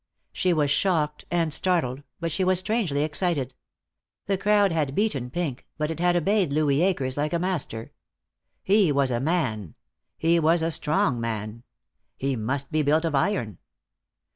She was shocked and startled, but she was strangely excited. The crowd had beaten Pink, but it had obeyed Louis Akers like a master. He was a man. He was a strong man. He must be built of iron.